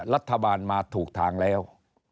รัฐบาลมาถูกทางแล้ว